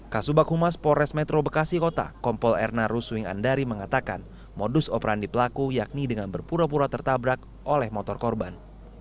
kasubag humas polres metro bekasi kota kompol erna ruswing andari mengatakan modus operandi pelaku yakni dengan berpura pura tertabrak oleh motor korban